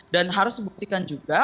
dan harus dibuktikan juga